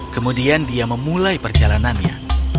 kemudian dia memulai perjalanannya